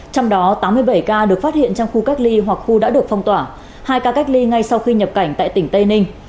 trong đó tám mươi bảy ca được phát hiện trong khu cách ly hoặc khu đã được phong tỏa hai ca cách ly ngay sau khi nhập cảnh tại tỉnh tây ninh